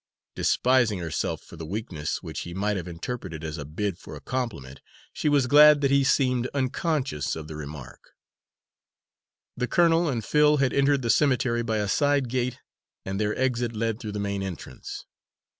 Despising herself for the weakness which he might have interpreted as a bid for a compliment, she was glad that he seemed unconscious of the remark. The colonel and Phil had entered the cemetery by a side gate and their exit led through the main entrance.